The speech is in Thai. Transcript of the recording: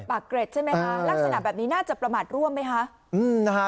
เกร็ดใช่ไหมคะลักษณะแบบนี้น่าจะประมาทร่วมไหมคะ